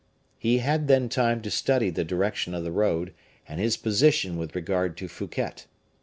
He had then time to study the direction of the road, and his position with regard to Fouquet.